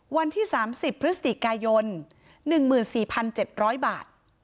วันที่สามสิบพฤษฎีกายนหนึ่งหมื่นสี่พันเจ็ดร้อยบาท